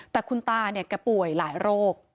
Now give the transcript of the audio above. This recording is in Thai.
แต่คุณตาเนี่ยแกป่วยหลายโรค